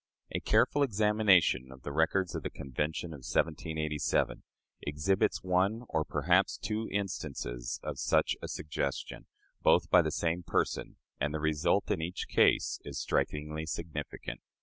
A careful examination of the records of the Convention of 1787 exhibits one or perhaps two instances of such a suggestion both by the same person and the result in each case is strikingly significant.